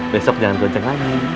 besok jangan kenceng lagi